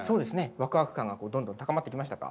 わくわく感がどんどん高まってきましたか。